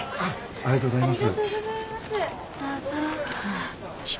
ありがとうございます。